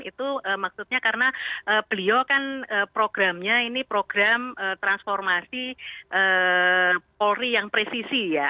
itu maksudnya karena beliau kan programnya ini program transformasi polri yang presisi ya